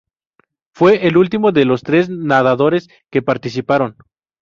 Fue el último de los tres nadadores que participaron.